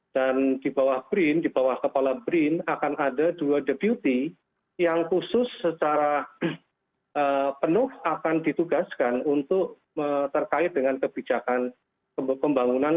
dan di bawah brin di bawah kepala brin akan ada dua deputy yang khusus secara penuh akan ditugaskan untuk terkait dengan kebijakan pembangunan